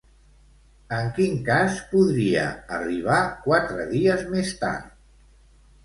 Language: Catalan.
En quin cas podria arribar quatre dies més tard?